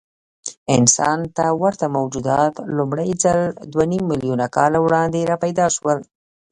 انسان ته ورته موجودات لومړی ځل دوهنیممیلیونه کاله وړاندې راپیدا شول.